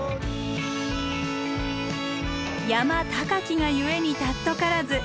山高きが故に貴からず。